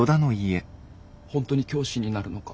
本当に教師になるのか？